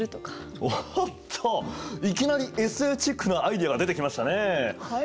おっといきなりＳＦチックなアイデアが出てきましたねえ。はい。